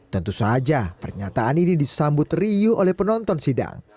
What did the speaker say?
tentu saja pernyataan ini disambut riuh oleh penonton sidang